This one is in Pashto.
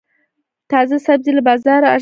تازه سبزي له بازاره ارزانه تمامېږي.